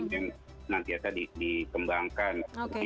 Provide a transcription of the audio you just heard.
yang nanti saja dikembangkan